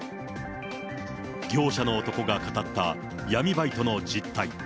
業者の男が語った闇バイトの実態。